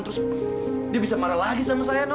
terus dia bisa marah lagi sama saya